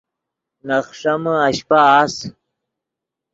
نے خݰیمے اشپہ اَس